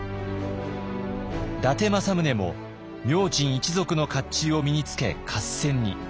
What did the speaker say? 伊達政宗も明珍一族の甲冑を身につけ合戦に。